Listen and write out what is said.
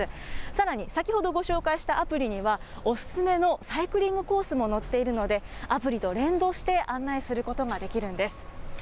さらに先ほどご紹介したアプリには、お勧めのサイクリングコースも載っているので、アプリと連動して案内することができるんです。